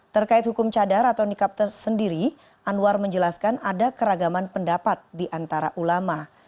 terkait hukum cadar atau nikab tersendiri anwar menjelaskan ada keragaman pendapat di antara ulama